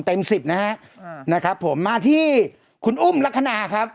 สิบนะฮะนะครับผมมาที่คุณอุ้มลักษณะครับ